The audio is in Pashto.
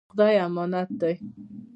مال د خدای امانت دی.